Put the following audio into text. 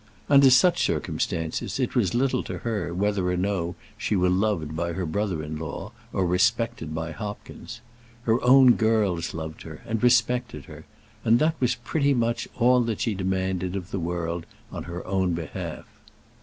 Under such circumstances it was little to her whether or no she were loved by her brother in law, or respected by Hopkins. Her own girls loved her, and respected her, and that was pretty much all that she demanded of the world on her own behalf.